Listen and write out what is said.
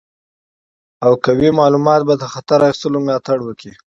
او قوي معلومات به د خطر اخیستلو ملاتړ وکړي.